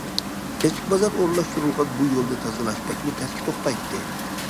كەچلىك بازار ئورۇنلاشتۇرۇلغان بۇ يولنى تازىلاش بەكمۇ تەسكە توختايتتى.